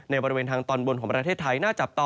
ในบริเวณทางตอนบนของประเทศไทย